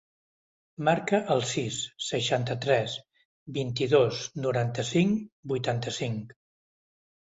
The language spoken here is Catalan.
Marca el sis, seixanta-tres, vint-i-dos, noranta-cinc, vuitanta-cinc.